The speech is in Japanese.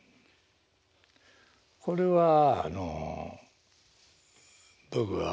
これはあの僕は。